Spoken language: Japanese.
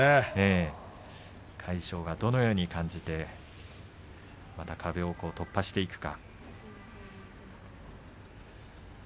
魁勝がどのように感じてそしてその壁を突破していくか。